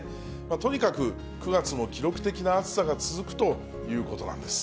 とにかく９月も記録的な暑さが続くということなんです。